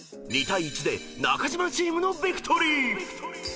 ［２対１で中島チームのビクトリー！］